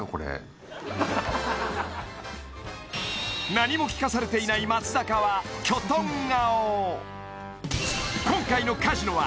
何も聞かされていない松坂はきょとん顔